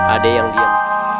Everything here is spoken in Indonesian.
ada yang diam